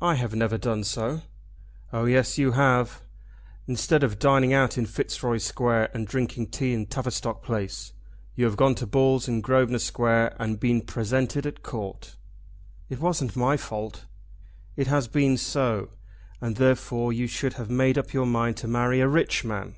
"I have never done so." "Oh yes, you have. Instead of dining out in Fitzroy Square and drinking tea in Tavistock Place, you have gone to balls in Grosvenor Square and been presented at Court." "It wasn't my fault." "It has been so, and therefore you should have made up your mind to marry a rich man."